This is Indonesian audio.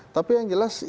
tapi yang jelas ini